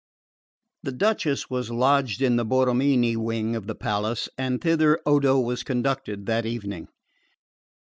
The Duchess was lodged in the Borromini wing of the palace, and thither Odo was conducted that evening.